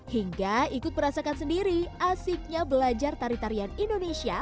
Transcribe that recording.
hingga ikut merasakan sendiri asiknya belajar tari tarian indonesia